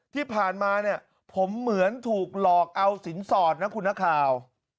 ที่ผ่านมาเนี่ยผมเหมือนถูกหลอกเอาสินสอดนะคุณนักข่าว